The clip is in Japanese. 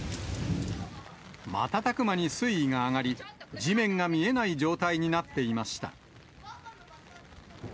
瞬く間に水位が上がり、地面が見えない状態になっていました。